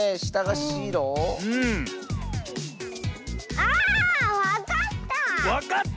あわかった！